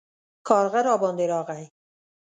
کارغه راباندې راغی